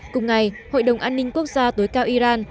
cùng ngày hội đồng an ninh quốc gia tối cao iran